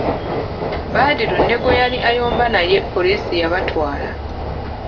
Badru ne gwe yali ayomba naye poliisi yabatwala.